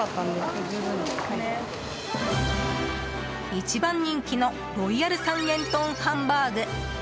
一番人気のロイヤル三元豚ハンバーグ。